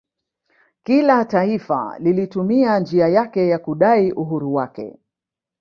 Kila taifa lilitumia njia yake ya kudai uhuru wake